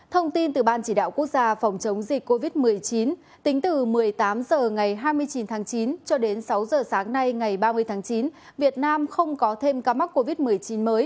thông tin từ ban chỉ đạo quốc gia phòng chống dịch covid một mươi chín tính từ một mươi tám h ngày hai mươi chín tháng chín cho đến sáu h sáng nay ngày ba mươi tháng chín việt nam không có thêm ca mắc covid một mươi chín mới